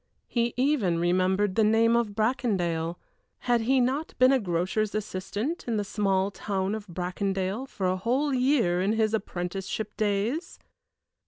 He even remembered the name of Bracondale had he not been a grocer's assistant in the small town of Bracondale for a whole year in his apprenticeship days?